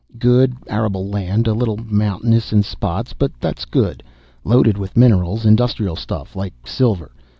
"Good, arable land. A little mountainous in spots, but that's good. Loaded with minerals industrial stuff, like silver.